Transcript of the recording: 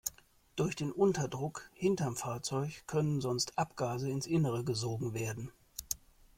Durch den Unterdruck hinterm Fahrzeug können sonst Abgase ins Innere gesogen werden.